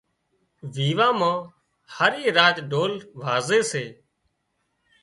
ويوان مان هارِي راچ ڍول وازي سي